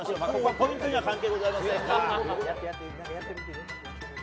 ポイントには関係ありませんが。